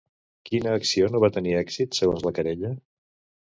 Quina acció no va tenir èxit, segons la querella?